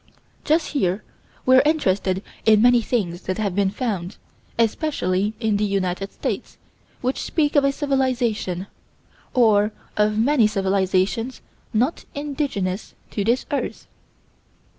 Just here we are interested in many things that have been found, especially in the United States, which speak of a civilization, or of many civilizations not indigenous to this earth.